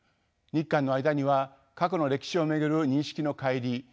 日韓の間には過去の歴史を巡る認識の乖離